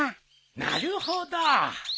なるほど。